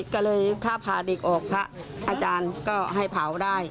ก็เลยถ้าพาเด็กออกพระอาจารย์ก็ให้เผาได้